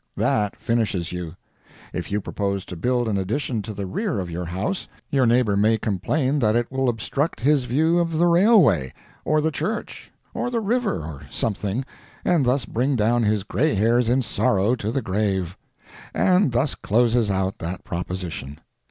That finishes you. If you propose to build an addition to the rear of your house, your neighbor may complain that it will obstruct his view of the railway, or the church, or the river, or something, and thus bring down his gray hairs in sorrow to the grave. And that closes out that proposition.